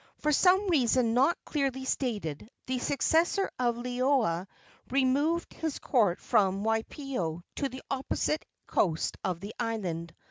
For some reason not clearly stated the successor of Liloa removed his court from Waipio to the opposite coast of the island.